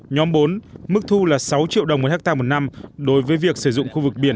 nhóm bốn mức thu là sáu triệu đồng một hectare một năm đối với việc sử dụng khu vực biển